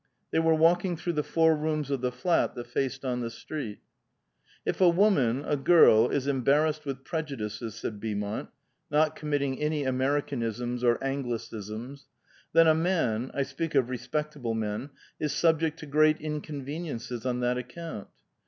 They were walking through the four rooms of the flat that faced on the street. '^*" If a woman, a girl, is embarrassed with prejudices," said Beaumont (not committing any Americanisms or Anglicisms) , "then a man — I speak of respectable men — is subject to great inconveniences on that account.